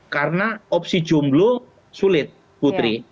karena opsi jumlah sulit putri